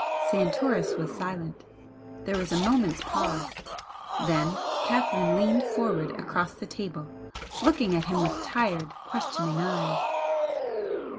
Santoris was silent. There was a moment's pause. Then Catherine leaned forward across the table, looking at him with tired, questioning eyes.